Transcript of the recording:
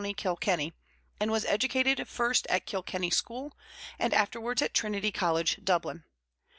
Kilkenny, and was educated first at Kilkenny school and afterwards at Trinity College, Dublin.